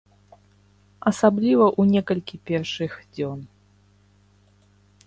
Асабліва ў некалькі першых дзён.